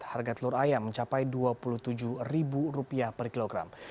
harga telur ayam mencapai rp dua puluh tujuh per kilogram